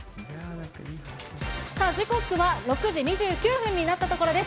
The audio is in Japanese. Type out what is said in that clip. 時刻は６時２９分になったところです。